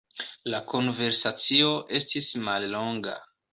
La konversacio estis mallonga.